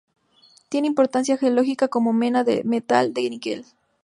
Tiene importancia geológica como mena del metal de níquel.